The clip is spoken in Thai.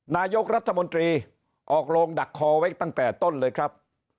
นายกรัฐมนตรีออกโรงดักคอไว้ตั้งแต่ต้นเลยครับ